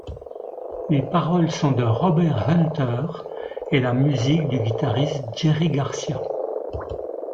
Les paroles sont de Robert Hunter, et la musique du guitariste Jerry Garcia.